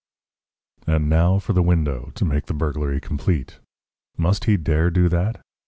And now for the window, to make the burglary complete! Must he dare do that?